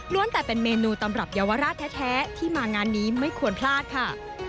แต่เป็นเมนูตำรับเยาวราชแท้ที่มางานนี้ไม่ควรพลาดค่ะ